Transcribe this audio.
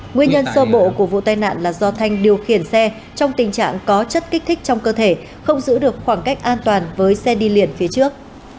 nguyên nhân sơ bộ của vụ tai nạn là do thanh điều khiển xe trong tình trạng có chất kích thích trong cơ thể không giữ được khoảng cách an toàn với xe đi liền phía trước